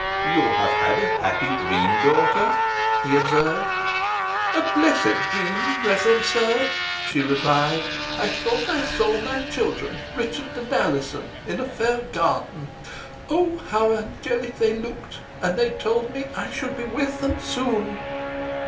"You have had a happy dream, daughter," he observed. "A blessed dream, reverend sir," she replied. "I thought I saw my children, Richard and Alizon, in a fair garden oh! how angelic they looked and they told me I should be with them soon."